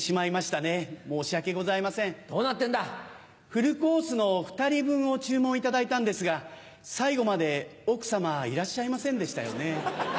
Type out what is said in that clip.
フルコースの２人分を注文いただいたんですが最後まで奥様いらっしゃいませんでしたよね。